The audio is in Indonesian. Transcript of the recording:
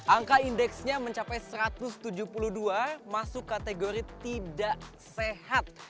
angka indeksnya mencapai satu ratus tujuh puluh dua masuk kategori tidak sehat